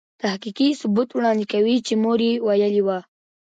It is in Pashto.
تحقیقي ثبوت وړاندې کوي چې مور يې ویلې وه.